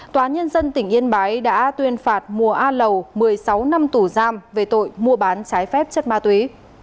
tòa nhân dân tỉnh yên bái đã tuyên phạt mùa a lầu một mươi sáu năm tù giam về tội mua bán trái phép chất ma túy